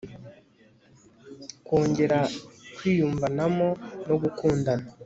kongera kwiyumvanamo no gukundana